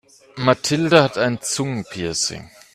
Mathilde hat ein Zungenpiercing.